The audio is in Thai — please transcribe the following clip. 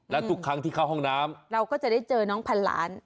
และทุกครั้งที่เข้าห้องน้ำเราก็จะได้เจอน้องพันล้าน